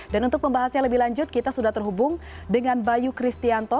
dan untuk pembahasnya lebih lanjut kita sudah terhubung dengan bayu kristianto